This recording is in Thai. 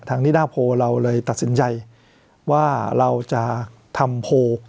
นิดาโพเราเลยตัดสินใจว่าเราจะทำโพล